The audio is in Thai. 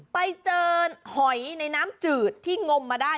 ไปเจอหอยในน้ำจืดที่งมมาได้